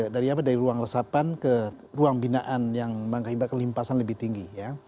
dari apa dari ruang resapan ke ruang binaan yang menghibur kelimpasan lebih tinggi